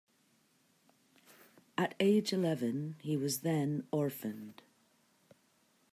At age eleven, he was then orphaned.